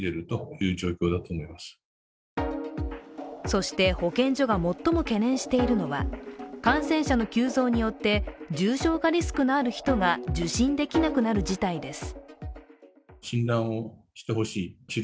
そして、保健所が最も懸念しているのは感染者の急増によって重症化リスクのある人が受診できなくなる事態です。